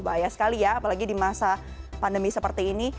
bahaya sekali ya apalagi di masa pandemi seperti ini